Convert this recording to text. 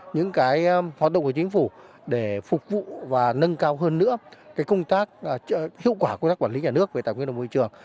những hoạt động của chính phủ để phục vụ và nâng cao hơn nữa công tác hiệu quả quy tắc quản lý nhà nước về tài nguyên đồng môi trường